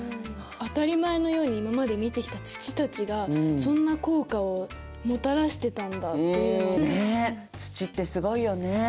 当たり前のように今まで見てきた土たちがそんな効果をもたらしてたんだっていうのが。ね！